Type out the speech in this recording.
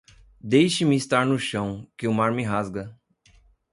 Deixe-me estar no chão, que o mar me rasga.